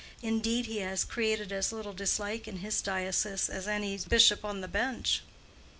Indeed, he has created as little dislike in his diocese as any bishop on the bench.